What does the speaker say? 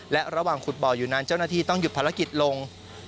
และระหว่างขุดบ่ออยู่นั้นเจ้าหน้าที่ต้องหยุดภารกิจลง